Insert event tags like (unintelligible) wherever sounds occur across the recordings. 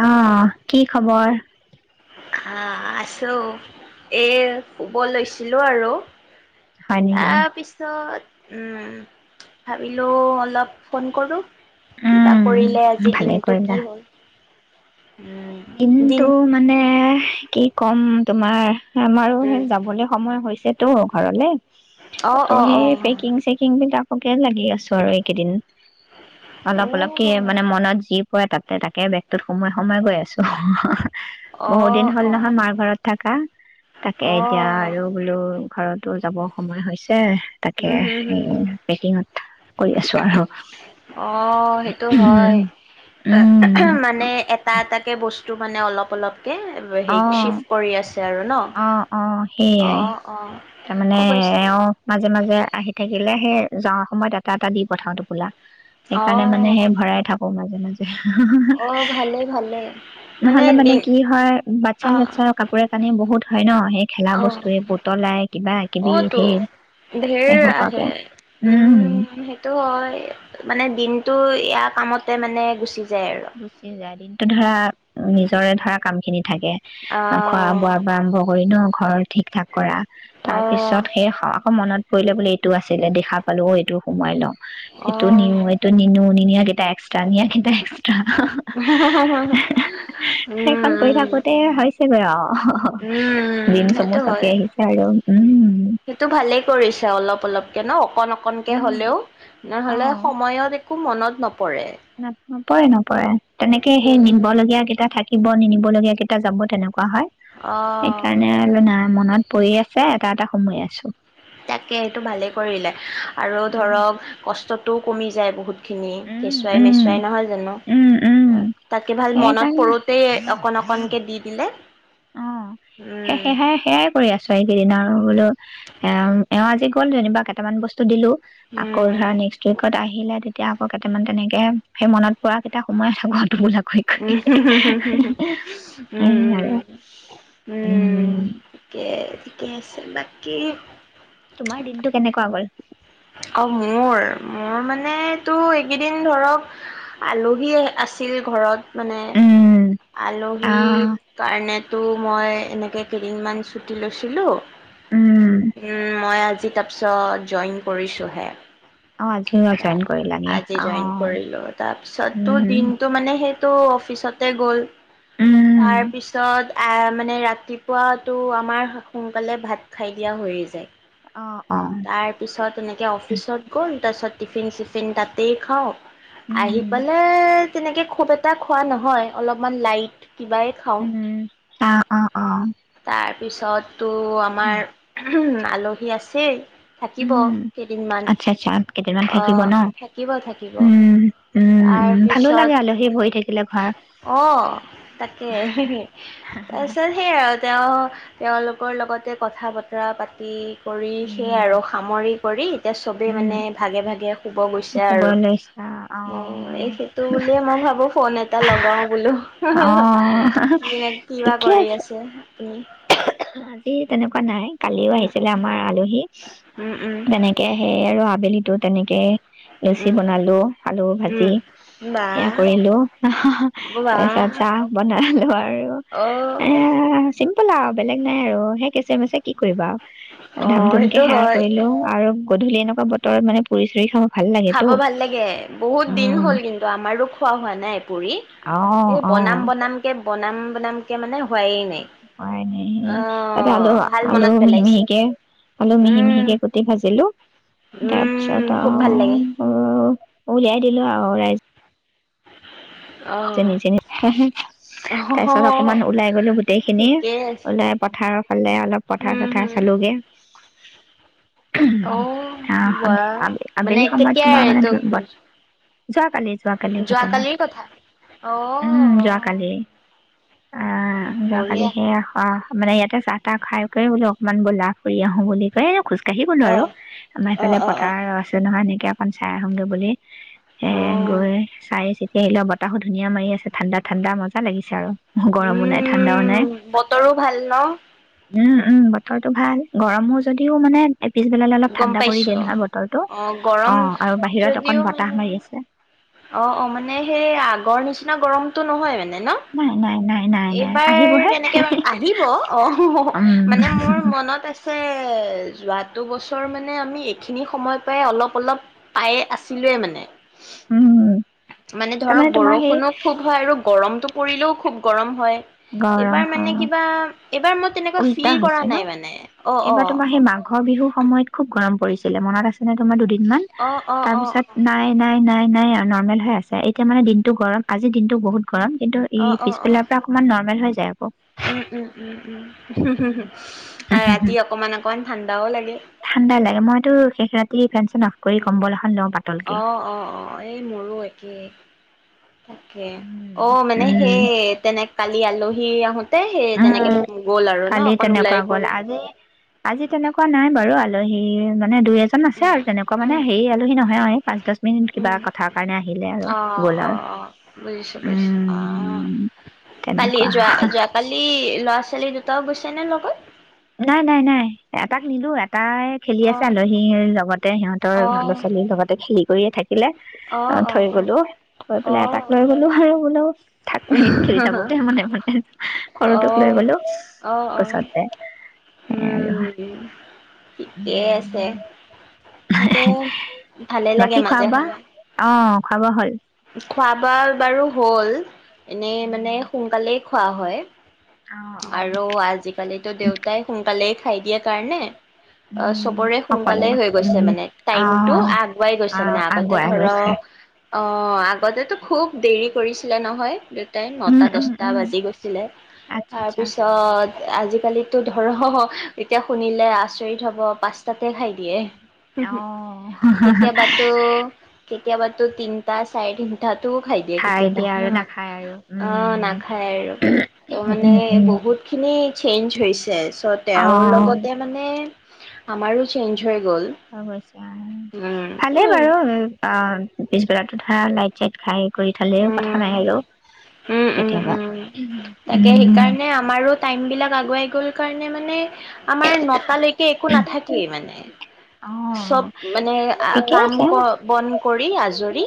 আহ কি খবৰ হা আছো এ শুব লৈছিলো আৰু হয় নেকি তাৰ পিছত ভাবিলোঁ অলপ ফোন কৰোঁ কিবা উম কৰিলে আজি দিনটো কি হ'ল উম কিন্তু দিন মানে কি ক'ম তোমাৰ আমাৰো সে উম যাবলৈ সময় হৈছে সেইটো ঘৰলে অ ত অ সেই অ পেকিং চেকিং বিলাক সকে লাগি আছো আৰু এইকেইদিন অলপ অলপ কি মানে মনত যি পৰে তাতে তাকে ব তত সোম সোমই গৈ আছো অ অ অ বহুত দিন হ'ল অ নহয় মাৰ ঘৰত থাকা তাকে অ এতিয়া আৰু বোলো ঘৰতো যাবৰ সময় হৈছে তাকে উম হম এই হম পেকিঙত কৰি আছো আৰু অ সেইটো হয় উ উম টো মানে অলপ অলপ কি সেই অ চিফ্ট কৰি আছে আৰু ন অ অ অ সেইয়াই অ তাৰমানে অৱশ্যে এওঁ মাজে মাজে আহি থাকিলে সেই যাৱা সময়ত এটা এটা দি পঠাও টোপোলা সেইকাৰণে মানে অ সেই ভৰাই থাকো মানে যেনে যে হা হা হি অ' ভালে ভালে নহলে মানে কি হয় বাচ্ছা অ' চাচ্ছা কাপোৰে কানি বহুত হয় ন সেই খেলা অ বস্তুৱে পুতলাই কিবা কিবি অতো ধেৰ ধেৰ এসোপাকে আহে উম সেইটো হয় মানে দিনটো ইয়া কামত তে মানে গুচি যায় আৰু। গুচি যায় দিনটো ধৰা নিজৰে ধৰা কাম খিনি থাকে খোৱা অ' বোৱাৰ পৰা আৰম্ভ কৰি ন ঘৰ ঠিক, ঠাক কৰা। তাৰ অ' পিছত সেই আকৌ মনত কৰিলে বোলে এইটো আছিলে দেখা পালো অ' এইটো সোমাই লম। এইটো অ' নিওঁ এইটো নিনিওঁ নিয়া কেইটা এক্সট্ৰা নিয়া কেইটা এক। উম, সেইখন কৰি উম, থাকোঁতে হৈছেগৈ আও। অ' উম, দিন সেইটো চমু হয়। চাপি আহিছে আৰু। উম। কেনও অকণ অকণকে উম হ'লেও অ নহ'লে সময়ত একো মনত নপৰে ন নপৰে নপৰে ত' তেনেকৈ সেই ঠিকেই নিবলগীয়া কেইটা থাকে। নিব নিনিব লগীয়া কেইটা যাব তেনেকুৱা হয় হয় অ'। সেইকাৰণে আৰু মনত! পৰি আছে এটা, এটা সোমোৱাই আছো। তাকে এইটো ভালে কৰিলে আৰু ধৰক কষ্ট ও কমি যায় বহুত। উম কেঁচুৱাই, উম মেচুৱাই নহয় জানো উম উম তাকে ভাল মনত সেইকাৰণে পৰোঁতেই অকণ অকণকে দি দিলে অঁ সেই উম সেহাই সেয়াই কৰি আছোঁ চাৰি কেইদিন আৰু বোলোঁ এ এওঁ আজি গ'ল যেনিবা কেইটামান বস্তু দিলোঁ আকৌ উম ধৰা নেক্স উইকত আহ আহিলে তেতিয়া আকৌ কেইটামান তেনেকৈ সেই মনত পৰা কেইটা সোমোই সোমাই আছে ধুলাকৈ উম কণি আই উম আইও উম কেৰ ঠিকে আছে বাকী তোমাৰ দিনটো কেনেকুৱা গ'ল অঁ মোৰ মোৰ মান টো এইকেইদিন ধৰক আলহী আছিল ঘৰত। মানে উম আলহীৰ আহ কাৰণে তো মই এনেকৈ কেইদিনমান ছুটি লৈছিলোঁ। উম উম মই আজি তিতাপ চ জইন কৰিছোঁহে। অ আজি জইন তাৰ কৰিলাগে আজি অ জইন কৰিলো তাৰ পিছততো উম দিনটো মানে সেই ত' অফিচতে গ'ল উম তাৰ পিছত মানে ৰাতিপুৱাতো আমাৰ সোনকালে ভাত খাই দিয়া হৈয়ে যায় অ', অ', তাৰ পিছত এনেকে অফিচত গ'ল তাৰপিছত টিফিন চিফিন তাতেই খাওঁ আহি উম, পেলাই তেনেকে খুব এটা খোৱা নহয় অলপমান লাইট কিবাই খাওঁ উম, অ', অ', অ', তাৰ পিছত ত' আমাৰ আলহী আছেই থাকিব উম, কেইদিনমান আচ্ছা, আচ্ছা, কেইদিনমান অ থাকিব ন? থাকিব থাকিব উম, উম, উম, ভালো তাৰপিছত লাগে আলহী বহি থাকিলে ঘৰ অ তাকে তাৰপিছত সেইয়া আৰু তেওঁ তেওঁলোকৰ লগতে কথা বতৰা পাতি কৰি উম, সামৰি কৰি এতিয়া চবেই উম, মানে ভাগে ভাগে শুব গৈছে শুব আৰু লৈছা এই অ'। সেইটো বুলিয়ে মই ভাবো ফোন এটা লগাও বোলো অ', কি কিবা কৰি আছে আপুনি এহো এহো এ এ তেনেকোৱা নাই কালিও উম, আহিছিলে আমাৰ আলহী উম, উম, তেনেকে আহে আৰু বেলিটো তেনেকে লুচি উম, বনালোঁ, আলু উম, ভাজি বা সেয়া কৰিলোঁ বা তাৰপিছত চাহ বনালোঁ আৰু এ অ', চিম (unintelligible) বেলেগ নাই আৰু সেই কেচুৱাই মেচুৱাই কি কৰিবা আৰু। ধাম অ', ধুমকে সেইটো সেৱা হয়। কৰিলোঁ আৰু গধূলি এনেকুৱা বতৰত মানে পুৰি চুৰি খা খাব ভাল লাগে বহুত দিন হ'ল কিন্তু আমাৰো খোৱা হোৱা নাই পুৰি। (unintelligible) অ' বনাম বনাম কে বনাম বনামকে মানে হোৱাই নাই। খোৱায়ে নাই সেই, অহ আলু ভাল আলু মনত মিহি পেলাইছে মিহিকে আলু মিহি উম। মিহিকে কুটি ভাজিলোঁ। তাৰ উম পিছত খুব ভাল লাগে অ অ উলিয়াই দিলোঁ আৰু ৰাইজ (unintelligible) অহ তাৰ পিছত অহ। অকমান ওলাই গলো গোটেই খিনি, ঠিকেই আছে ওলাই পথাৰৰ ফালে অলপ উম পথাৰ-চথাৰ হম চালোগে। অ অ', ৱা। মানে সন্ধিয়-আবে-আবেলি সময়ত কেতিয়াৰ তোমাৰ মানে এইটো (unintelligible) যোৱাকালি-যোৱাকালিৰ ঘটনা। যোৱাকালিৰ কথা অ। উম, যোৱাকালি আ, যোৱাকালি বঢ়িয়া সেয়া সত অ', মানে ইয়াতে চাহ-তাহ খাই কৰি, বোলো অকনমান বলা ফুৰি আহো বুলি কয় খোজ কাঢ়িবলৈ অ আৰু, আমাৰ অ এইফালে অ অ। পথাৰ আছে নহয় এনেকে খন চাই আহুঙে বুলি। অ সেয়ে গৈ চাই চিত সেই লগত বতাহো ধূনীয়া মাৰি আছে, ঠাণ্ডা-ঠাণ্ডা মজা লাগিছে আৰু। গৰমো নাই ঠাণ্ডাও নাই উম, বতৰো ভাল ন? উম, উম, বতৰটো ভাল, গৰমো যদিও মানে এই পিছবেলালৈ অলপ গম ঠাণ্ডা কৰি পাইছো দিয়ে নহয় বতৰ টো, অ', আৰু বাহিৰত যদিও অকণ মানে বতাহ মাৰি আছে। অ', অ', মানে সেই আগৰ নিচিনা গৰমতটো নহয় মানে। ন, নাই নাই নাই নাই নাই এইবাৰ আহিবহে তেনেকে আহিব অ', উম মানে মোৰ মনত আছে যোৱাটো বছৰ মানে আমি এইখিনি সময় পাই অলপ-অলপ পায়ে আছিলোয়ে মানে। উম। মানে ধৰক তাৰমানে তোমাৰ সেই বৰষুণো খুব হয়, আৰু গৰমতটো পৰিলেও খুব গৰম হয়। এইবাৰ মানে কিবা, এইবাৰ ম উলটা হৈছে ন, অ এইবাৰ তোমাৰ সেই মাঘৰ বিহুৰ সময়ত খুব গৰম পৰিছিলে, মনত আছেনে তোমাৰ দুদিন মান, অ অ অ অ তাৰপিছত নাই, নাই, নাই, নাই, আক নৰ্মেল হৈ আছে, এতিয়া মানে দিনটো গৰম আজি দিনটো বহুত গৰম, কিন্তু এই অ অ অ পিছবেলাৰ পৰা অকনমান নৰ্মেল হৈ যায় আকৌ। উম, উম, (unintelligible) ৰাতি অকমান-অকমান ঠাণ্ডাও লাগ ঠাণ্ডা লাগে, মইতো শেষ ৰাত তি ফেন-চেন অফ কৰি কম্বল এখন লঁও অ', অ', অ', এই মোৰো এক কেই। তাকে, অ', উম মানে সেই তেনেক কালি আলহী আহোত উম, কালি ওলাই তেনেকুৱা গ'ল কৰি আজি-আজি তেনেকুৱা নাই বাৰু, আজ (unintelligible) মানে দুই এজন আছে উম, আৰু তেনেকুৱা মানে উম, হেৰি আলহী উম, নহয় অ পাঁচ দহ মিনিট কিবা উম। কথাৰ কাৰণে আহিলে আৰু অ', গ'ল আৰু অ', অ'। বুজিছোঁ বুজিছোঁ অ'। উম কালি তেনেকুৱা যোৱা যোৱাকালি ল'ৰা ছোৱালী দুটাও গৈছে নে লগত নাই নাই নাই এটাক নিলো তাই খেলি আছে অ', আলহীৰ লগতে সিহঁতৰ ল'ৰা অ', ছোৱালীৰ লগতে খেলি কৰিয়ে থাকে থিলে অ থৈ গলো থৈ পেলাই এটাক অ'। লৈ গলো আৰু বোলও থাক খেলি থাকোতে মানে মানে সৰুটোক লৈ অ', গলো অ', অ'। গছতে সেই আৰু উম ঠিকেই আছে সেইকে ভালেই লাগে বাকী খোৱা মাজে বোৱা সময়ে অ খাব হ'ল খোৱা ৱোবা বাৰু হল এনেই মানে সোনকালে খোৱা হয় অ অ আৰু আজিকালিতো দেউতাই সোনকালেই খাই দিয়াৰ কাৰণে অ উম চবৰে সকলোৱে সোনকালেই হৈ গৈছে উম মানে অ টাইমতটো আগুৱাই অ গৈছে মানে আগতে আগুৱাই গৈছে ধৰক অ আগতে খুব দেৰি কৰিছিলে নহয় উম নটা উম দছটা উম বাজি গৈছিলে আচ্ছা আচ্ছা তাৰপিছত আজিকালি এইটো ধৰ এতিয়া শুনিলে আচৰিত হব পাচঁটাতে খাই দিয়ে অ কেতিয়াবাতো কেতিয়াবা তো তিনিটা চাৰে তিনিটাত তটো খাই দিয়ে কেতিয়াবা আৰু হা নাখায় আৰু অ উম নাখায় আ উম মানে উম উম বহুত খিনি চেঞ্জ হৈছে ছ' অ তেওঁৰ লগতে মানে আমাৰো চেঞ্জ হৈ গ'ল অৱশ্য উম ভালেই উম বাৰু অ পিছবেলাতো ধা লাইট চাইট খাই এ কৰি থালেও কথা নাই আৰু উম উম কেতিয়াবা উম উম টাইমবিলাক আগুৱাই গ'ল কাৰণে মানে আমাৰ নটালৈকে একো নাথাকেই মানে অ চব মানে ঠিকে কাম আছে ক বন কৰি আজৰি কৰি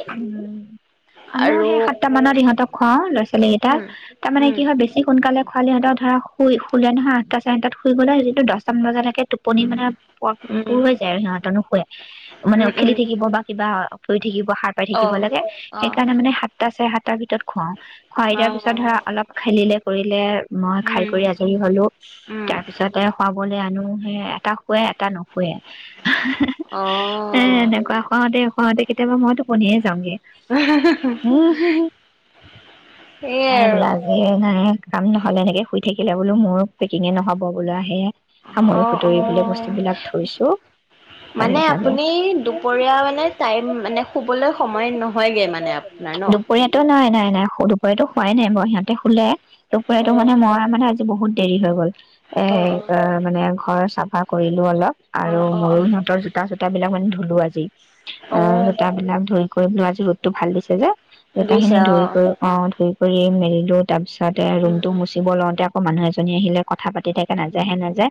আনো সেই সাতটা মানত সিহতক খোৱাও লৰা ছো লী কেইটা উম তাৰ মানে উম কি হয় বেছি সোনকালে খলীহতে ধৰা শুই শুলে নহয় আঠ টা চাৰে আঠটাত শুই গলে হিহতে দহটামান বজাতে টোপনি উম মানে প পুৰ হৈ যায় আৰু সিহতৰ নুশুৱে মানে উম খেলি থাকিব বা কিবা শুই থাকিব হা পাই থাকিব লাগে সেইকাৰণে মানে সাতটা চাৰে সাত তাৰ ভিতৰত খোৱাও খোৱাই দিয়াৰ পিছত ধৰা অলপ খেলিলে কৰিলে মই খাই কৰি আজৰি হলো তাৰ পিছতে শুৱাবলৈ আনো সেয়াই তাক শোৱাই টা নুশুৱে এ এনেকুৱা কওঁতে শুৱাও তেখেতে মোক মই তোক টুপনিয়ে যাওঁগে উম হু হু সেইয়াই আৰু এইবিলাক কাম নহ'লে এনেকে শুই থাকিলে বোলো মোৰো পেকিঙে নহব বোলে আহি এ অ সামৰি অ সুতৰি থৈছো ভাগে মানে ভাগে আপুনি দুপৰীয়া মানে টাইম মানে শুবলে দুপৰীয়াতটো নাই নাই নাই দুপৰীয়াটো হোৱাই নাই সিহঁতে খুলে দুপৰীয়া অ এইটো মানে মানে আজি বহুত দেৰি হৈ গল। অ অ এই অ' মানে ঘৰে চাব চাফা কৰিলো অলপ আৰু অ অ অ মোৰো সিহঁতৰ জোতা চোতাবিলাক মানে ধুলো আজি। অ। জোতাবিলাক কৰি (unintelligible) টো ভাল দিছে যে জোতা খিনি বুজিছা অ ধুই কৰি অ' ধুই কৰি এই সেইটো তাৰপিছতে উম ৰুমটো মুচিব লওঁতে আকৌ মানুহ এজনী আহিলে কথা পাতি থাকে নাযায় হে নাযায়।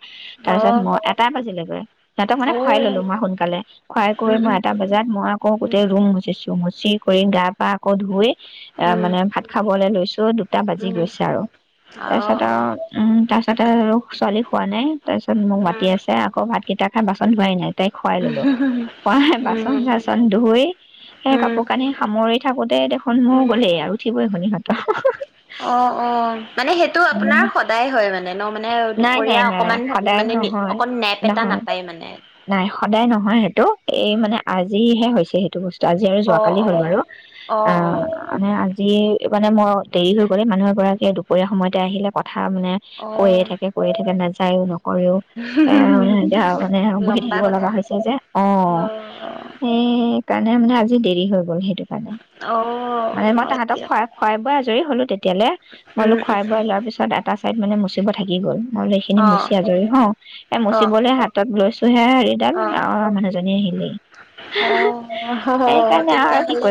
উম অ তাৰ পিছত মই এটা বাজিলগৈ সিহঁতক মানে অ উম খুৱাই ললো মই সোনকালে খুৱাই কৰি মই উম এটা বজাত মই আকৌ গোটেই চিছু মুচি কৰি গা পা আকৌ ধুই এ মানে ভাত খাবলৈ লৈছো দুটা বাজি গৈছে আৰু তাৰপিছত আৰু উ তাৰ পিছতে আৰু ছোৱালী খোৱা নাই তাৰপিছত মোক মাতি আছে আকৌ ভাত কেইটা খাই বাচন ধোৱাই নাই। তাইক খোৱাই ললো খোৱাই বাচন চাচন ধুই সেই কাপোৰ কানি সামৰি থাকোতে দেখোন মোৰ গ'লেই আৰু উঠিব (unintelligible) অ' অ'। মানে সেইটো আপোনাৰ সদায় হয় মানে ন মানে নাই নাই দুপৰীয়া নাই অকমান সদায় মানে নহয় অকণ (unintelligible) এটা নহয় নাপায় মানে। নাই সদায় নহয় সেইটো এই মানে আজিহে হৈছে সেইটো বস্তু আজি আৰু অ', যোৱাকালি হ'ল অ', বাৰু অ' মানে আজি এই মানে মই দেৰি হৈ গ'ল এই মানুহ এগৰাকীয়ে দুপৰীয়া সময়ত আহিলে কথা কথা মানে অ', কৈয়ে অ', থাকে কয়ে থাকে নাজ যায়ে কৰিও এ মানে এতিয়া মানে বহি লম্বা থাকিব কথা লগা হৈছে যে অ' অ', সেই কাৰণ (unintelligible) মানে আজি দেৰি হৈ গ'ল। সেইটো কাৰণে অ', মানে মই হয় তাহাঁতক দিয়ক খোৱাই খোৱাই বোৱাই আজৰি হ'লো। তেতিয়ালে মইবোলো উম, খুৱাই উম, বোৱাই লোৱাৰ পিছত এটা চাইড মানে মচিব থাকি গ'ল। মই বোলো এইখিনি অ', মুচি আজৰি হওঁ, এ অ', মচিবলে হাতত লৈছো হে হেৰিডাল, অ', মানুহজনী আহিলেই। অ অহহ, তেতিয়াহলে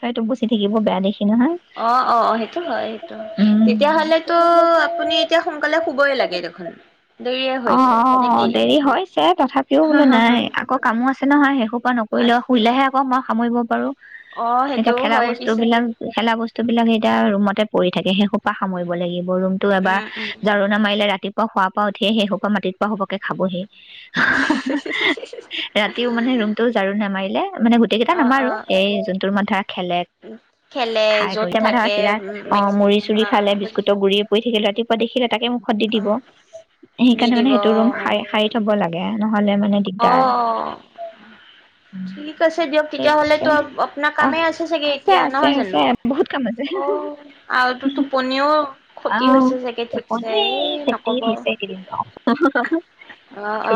সেইটো মুচি থাকিব বেয়া দেখে অ অ, সেইটো হয়, সেইটো। তেতিয়াহলেতো আপুনি এতিয়া সোনকালে শুবই লাগে দেখোন। দেৰিয়ে অ হৈছে অ, নেকি? দেৰি হৈছে তথাপিও বোলো নাই। আকৌ কামো আছে নহয়, সেইসোপা নকৰিলেও, আছে শুলেহে আকৌ মই সামৰিব পাৰোঁ। অ এতিয়া সেইটোও খেলা হয় বস্তু পিছে বিলাক, খেলা বস্তু স্তুবিলাক এতিয়া ৰুমতে পৰি থাকে, সেই সোপা সামৰিব লাগিব। ৰুম টো এবাৰ উম উম ঝাৰু নামাৰিলে ৰাতিপুৱা শোৱাৰ উঠিয়েই সেইসোপা মাটিত পৰা সোপাকে খাবহে। হা হা হা। ৰাতিও মানে ৰুমটোও ঝাৰু নামাৰিলে, মানে গোটেই কেইটা অ অ নামাৰো। এই যোনটোৰ মান ধৰা খেলে, খেলে খাই গৈ য'ত মান ধৰা থাকে চিৰা, অ মুৰি মেক্সিমাম চুৰি অ খালে, বুজি বিস্কুটৰ গুৰি পৰি থাকিলে ৰাতি বা দেখিলে তাকে মুখত দি অ দিব। দি সেইকাৰণে মানে দিব সেইটো ৰুম সাৰি সাৰি থ'ব লাগে। নহলে মানে অ, দিগদাৰ ঠিক আছে দিয়ক। ঠিক আছে তেতিয়াহলেতো আপোনাৰ আহ কামেই আছে চাগে এতিয়া আছে নহয় জানো? আছে বহুত কাম আছে অ, আৰু টো টোপনিও ক্ষতি আহ হৈছে চাগে ঠিকছে। এই নকব। (unintelligible) ঠিকে (unintelligible) অ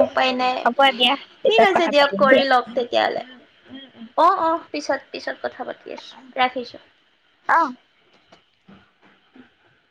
উপাই নাই আৰু। হ'ব দিয়া ঠিক পিছত আছে কথা দিয়ক পাতিম কৰি দিয়া। লওক উ তেতিয়াহ'লে উ উ। অ অ। পিছত, পিছত কথা ৰাখিছো। আহ।